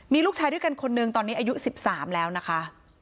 มีลูกชายด้วยกันคนนึงตอนนี้อายุ๑๓แล้วนะคะ